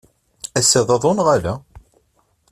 Ass-a d aḍu neɣ ala?